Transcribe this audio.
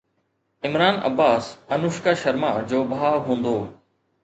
عمران عباس انوشڪا شرما جو ڀاءُ هوندو